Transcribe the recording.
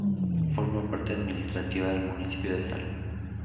Forma parte administrativa del municipio de Sal.